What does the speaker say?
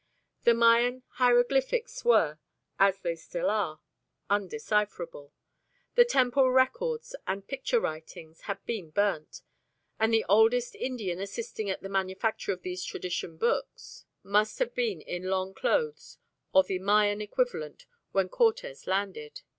The Mayan hieroglyphics were, as they still are, undecipherable, the temple records and picture writings had been burnt, and the oldest Indian assisting at the manufacture of these tradition books must have been in long clothes or the Mayan equivalent when Cortes landed.